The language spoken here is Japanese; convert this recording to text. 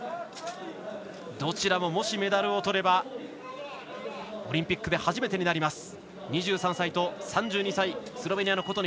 どちらも、もしメダルをとればオリンピックで初めてになります。